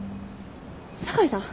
酒井さん？